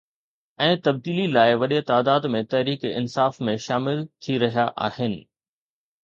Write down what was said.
۽ تبديلي لاءِ وڏي تعداد ۾ تحريڪ انصاف ۾ شامل ٿي رهيا آهن.